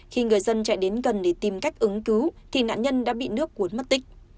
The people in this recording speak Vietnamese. khi người dân chạy đến gần để tìm cách ứng cứu thì nạn nhân đã bị nước cuốn mất tích